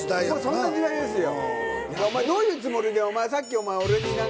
そんな時代ですよ。